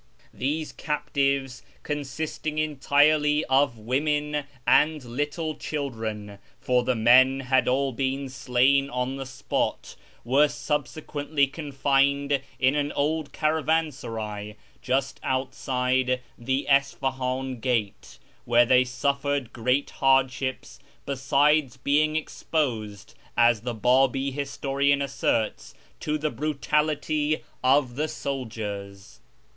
These captives, consisting entirely of women and little children (for the men had all been slain on the spot), were subsequently confined in an old caravansaray just outside the Isfahan gate, where they suffered great hardships, besides being exposed, as the Babi historian asserts, to the brutality of the soldiers.